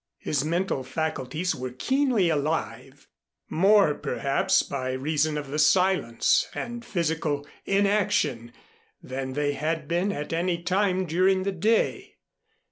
His mental faculties were keenly alive, more perhaps by reason of the silence and physical inaction than they had been at any time during the day.